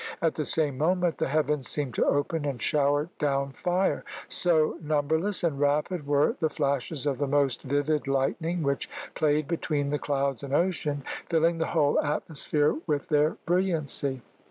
At the same moment the heavens seemed to open and shower down fire, so numberless and rapid were the flashes of the most vivid lightning which played between the clouds and ocean, filling the whole atmosphere with their brilliancy.